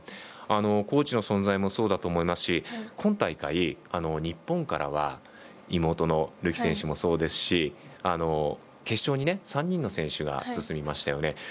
コーチの存在もそうだと思いますし今大会、日本からは妹のるき選手もそうですし決勝に３人の選手が進みましたよね。